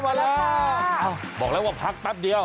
มาแล้วบอกแล้วว่าพักแป๊บเดียว